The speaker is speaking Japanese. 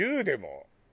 でも。